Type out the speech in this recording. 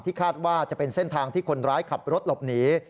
คาดว่าจะเป็นเส้นทางที่คนร้ายขับรถหลบหนี